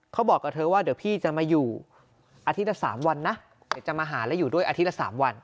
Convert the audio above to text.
เขาบอกกับเธอว่าเดี๋ยวพี่จะมาอยู่อาทิตย์ละ๓วันนะเดี๋ยวจะมาหาแล้วอยู่ด้วยอาทิตย์ละ๓วัน